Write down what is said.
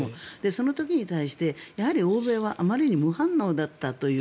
その時に対してやはり欧米はあまりに無反応だったと。